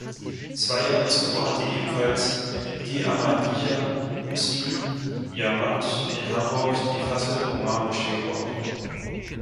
Zwei Jahre zuvor hatte ebenfalls die Ahmadiyya Muslim Jamaat in Hamburg die Fazle-Omar-Moschee gebaut.